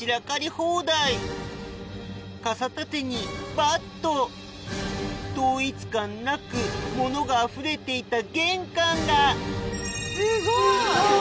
放題傘立てにバット統一感なく物があふれていた玄関がすごい！